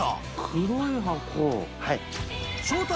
黒い箱。